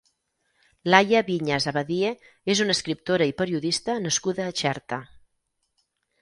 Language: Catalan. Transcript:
Laia Viñas Abadie és una escriptora i periodista nascuda a Xerta.